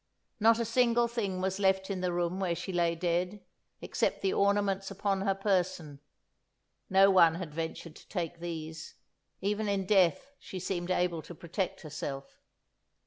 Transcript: Not a single thing was left in the room where she lay dead, except the ornaments upon her person: no one had ventured to take these; even in death she seemed able to protect herself.